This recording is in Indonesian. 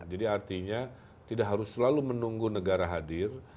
jadi artinya tidak harus selalu menunggu negara hadir